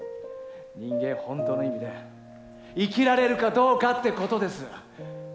人間本当の意味で生きられるかどうかってことです。